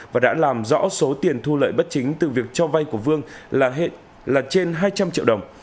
và đã làm rõ số tiền thu lợi bất chính từ việc cho vay của vương là trên hai trăm linh triệu đồng